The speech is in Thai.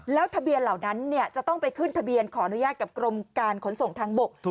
แล้วทะเบียนเหล่านั้นจะต้องไปขึ้นทะเบียนขออนุญาตกับกรมการขนส่งทางบก